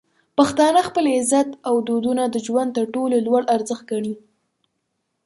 پښتانه خپل عزت او دودونه د ژوند تر ټولو لوړ ارزښت ګڼي.